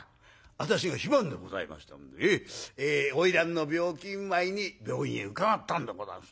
私が非番でございましたもんで花魁の病気見舞いに病院へ伺ったんでございます。